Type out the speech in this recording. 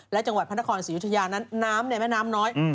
และจังหวัดพนธครสิริยุชยาน้ำแม่น้ำน้อย